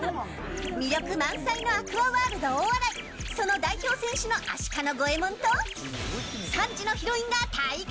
魅力満載のアクアワールド大洗その代表選手のアシカのゴエモンと３時のヒロインが対決。